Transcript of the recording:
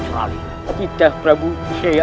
kucunganmu yang terhormat kicurali